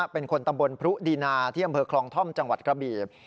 เป็นคนตำบลพรุดีนาที่อำเภอคลองท่อมจังหวัดกระบี